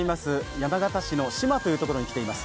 山形市のしまというところに来ています。